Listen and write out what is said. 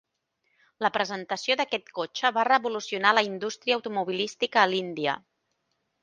La presentació d'aquest cotxe va revolucionar la indústria automobilística a l'Índia.